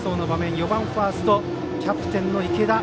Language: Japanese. ４番、ファーストキャプテンの池田。